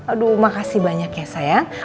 aduh makasih banyak ya sayang